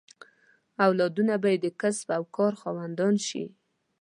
اولادونه به یې د کسب او کار خاوندان شي.